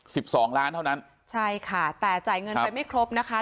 สิบสองล้านเท่านั้นใช่ค่ะแต่จ่ายเงินไปไม่ครบนะคะ